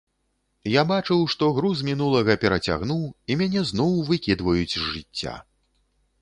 Я бачыў, што груз мінулага перацягнуў і мяне зноў выкідваюць з жыцця.